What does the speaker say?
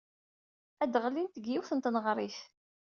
Ad d-ɣlint deg yiwet n tneɣrit.